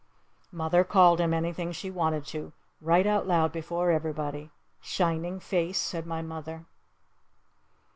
Mother called him anything she wanted to. Right out loud before everybody. "Shining Face!" said my mother.